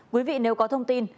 quý vị nếu có thông tin